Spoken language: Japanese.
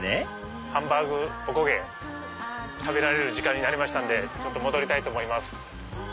おこげね食べられる時間になりましたんで戻りたいと思います。